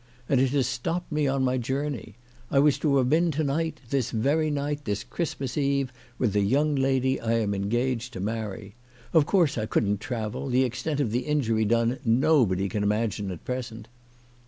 And it has stopped me on my journey. I was to have been to night, this very night, this Christmas Eve, with the young lady I am engaged to marry. Of course I couldn't travel. The extent of the injury done nobody can imagine at present."